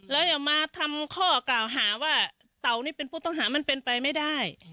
แล้วอย่ามาทำข้อกล่าวหาว่าเต่านี่เป็นผู้ต้องหามันเป็นไปไม่ได้